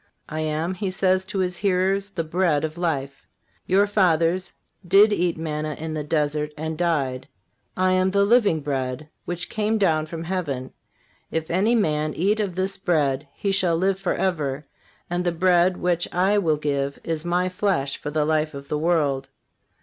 "I am," He says to His hearers, "the bread of life. Your fathers did eat manna in the desert and died.... I am the living bread which came down from heaven. If any man eat of this bread he shall live forever, and the bread which I will give is My flesh for the life of the world.